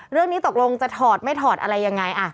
เรื่องนี้ตกลงจะถอดไม่ถอดอะไรยังไง